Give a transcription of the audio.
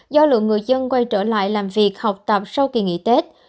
do lượng người dân quay trở lại làm việc học tập sau kỳ nghỉ tết